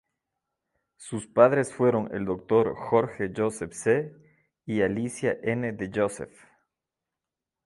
Sus padres fueron el doctor Jorge Joseph C. y Alicia N. de Joseph.